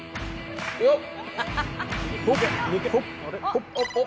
よっ！